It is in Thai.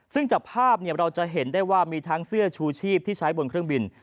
ซึ่งจากภาพเราจะเห็นได้ว่ามีทั้งเสื้อชูชีพที่ใช้บนเครื่องบิน